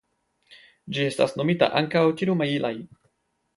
Ĝi estas nomita ankaŭ Tirumajilai.